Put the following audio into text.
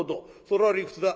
それは理屈だ。